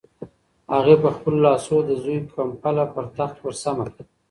هغې په خپلو لاسو د زوی کمپله پر تخت ورسمه کړه.